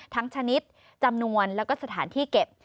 ชนิดจำนวนแล้วก็สถานที่เก็บ